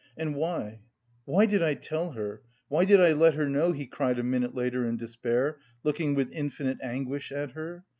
"And why, why did I tell her? Why did I let her know?" he cried a minute later in despair, looking with infinite anguish at her.